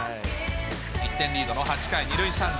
１点リードの８回、２塁３塁。